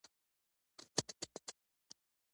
د زړه بدوالي لپاره باید د څه شي پوستکی بوی کړم؟